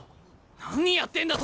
何やってんだ冨樫！